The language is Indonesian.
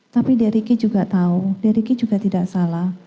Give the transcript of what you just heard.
tapi d ricky juga tahu d ricky juga tidak salah